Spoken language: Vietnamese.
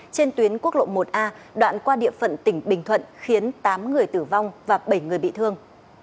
trên tuyến quốc lộ một a đoạn qua địa phận tỉnh bình thuận khiến tám người tử vong và bảy người bị thương